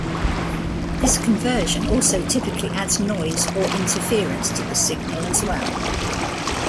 This conversion also typically adds noise or interference to the signal as well.